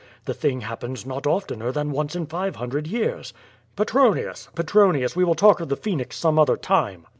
The thing happens not of tener than once in five hundred years." "Petronius! Petronius! We will talk of the phoenix some other time."